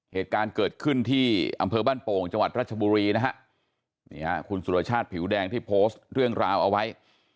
เหตุการณ์เกิดขึ้นที่อำเภอบ้านโป่งจังหวัดรัชบุรีนะฮะนี่ฮะคุณสุรชาติผิวแดงที่โพสต์เรื่องราวเอาไว้